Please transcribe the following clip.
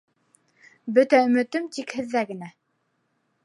— Бөтә өмөтөм тик һеҙҙә генә.